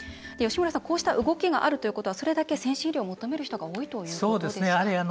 吉村さん、こうした動きがあるということは、それだけ先進医療を求める人が多いということですか？